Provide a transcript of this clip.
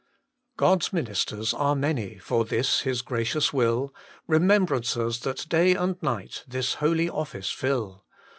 God s ministers are many, For this Ilis gracious will, Remembrancers that day and night This holy office fill.